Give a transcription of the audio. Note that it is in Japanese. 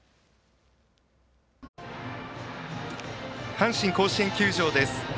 阪神甲子園球場です。